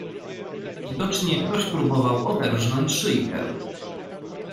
"Widocznie ktoś próbował oderznąć szyjkę."